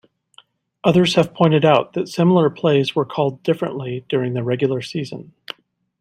Others have pointed out that similar plays were called differently during the regular season.